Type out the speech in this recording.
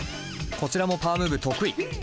こちらもパワームーブ得意。